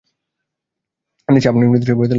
রমেশ আপনা-আপনি মৃদুস্বরে বলিতে লাগিল হেম, হেম!